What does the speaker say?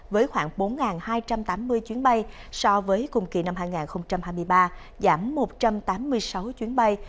với khoảng bốn hai trăm tám mươi chuyến bay so với cùng kỳ năm hai nghìn hai mươi ba giảm một trăm tám mươi sáu chuyến bay